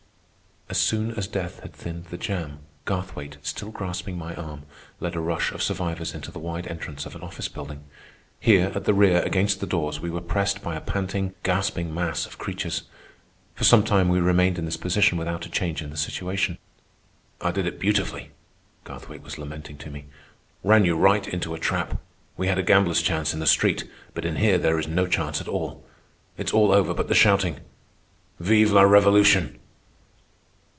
As soon as death had thinned the jam, Garthwaite, still grasping my arm, led a rush of survivors into the wide entrance of an office building. Here, at the rear, against the doors, we were pressed by a panting, gasping mass of creatures. For some time we remained in this position without a change in the situation. "I did it beautifully," Garthwaite was lamenting to me. "Ran you right into a trap. We had a gambler's chance in the street, but in here there is no chance at all. It's all over but the shouting. Vive la Revolution!"